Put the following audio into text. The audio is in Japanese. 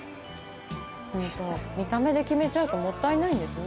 ホント見た目で決めちゃうともったいないんですね。